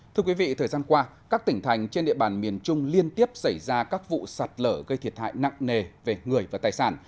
thưa quý vị thời gian qua các tỉnh thành trên địa bàn miền trung liên tiếp xảy ra các vụ sạt lở gây thiệt hại nặng nề về người và tài sản